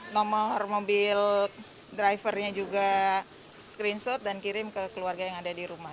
nomor mobil drivernya juga screenshot dan kirim ke keluarga yang ada di rumah